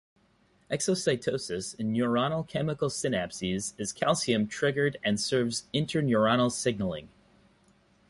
Exocytosis in neuronal chemical synapses is Ca triggered and serves interneuronal signalling.